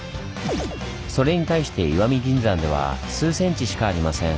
それに対して石見銀山では数センチしかありません。